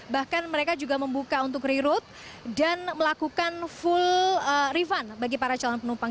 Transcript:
bahkan mereka juga membuka untuk reroute dan melakukan full refund bagi para calon penumpang